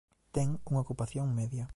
Ten unha ocupación media.